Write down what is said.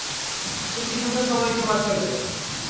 তো কিভাবে সবাইকে বাঁচাবে?